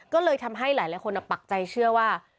ก็เลยทำให้หลายคนปักใจเชื่อว่า